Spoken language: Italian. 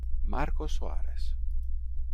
Marco Soares